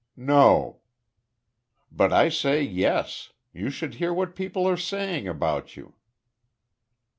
"No!" "But I say, 'Yes!' You should hear what people are saying about you."